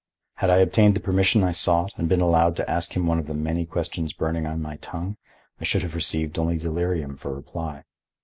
Had I obtained the permission I sought and been allowed to ask him one of the many questions burning on my tongue, I should have received only delirium for reply.